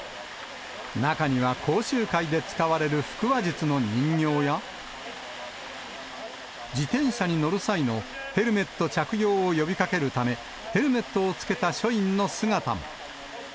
中には講習会で使われる腹話術の人形や、自転車に乗る際のヘルメット着用を呼びかけるため、ヘルメットをつけた署員の姿も。